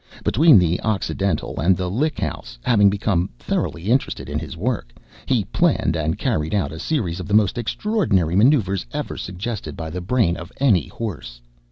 Between the Occidental and the Lick House, having become thoroughly interested in his work, he planned and carried out a series of the most extraordinary maneuvres ever suggested by the brain of any horse.